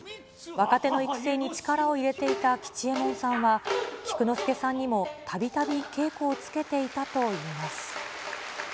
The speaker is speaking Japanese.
若手の育成に力を入れていた吉右衛門さんは、菊之助さんにもたびたび稽古をつけていたといいます。